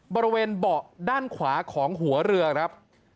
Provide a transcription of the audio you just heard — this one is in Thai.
บริเวณเบาะด้านขวาของหัวเรือครับ